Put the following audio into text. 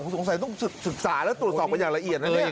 สงสัยต้องศึกษาแล้วตรวจสอบกันอย่างละเอียดนะเนี่ย